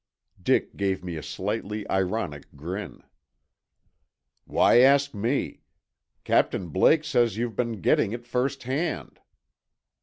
Dick gave me a slightly ironic grin. "Why ask me? Captain Blake says you've been getting it firsthand."